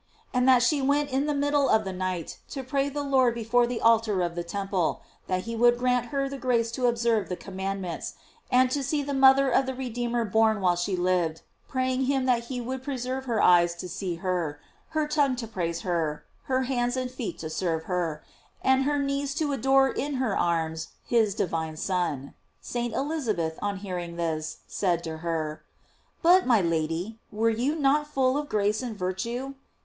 and that she went in the middle of the night to pray the Lord before the altar of the temple, that he would grant her the grace to observe the commandments, and to see the mother of the Redeemer born while she lived, praying him that he would preserve her eyes to see her, her tongue to praise her, her hands and feet to serve her, and her knees to adore in her arms, his divine Son. St. Elizabeth, on hear ing this, said to her: "But, my Lady, were you not full of grace and virtue?"